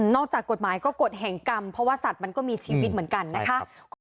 จากกฎหมายก็กฎแห่งกรรมเพราะว่าสัตว์มันก็มีชีวิตเหมือนกันนะคะ